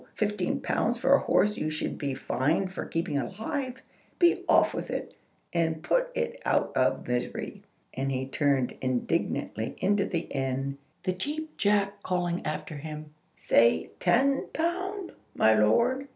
Fifteen pounds for a horse you should be fined for keeping alive! Be off with it, and put it out of misery." And he turned indignantly into the inn, the Cheap Jack calling after him, "Say ten pound, my lord!"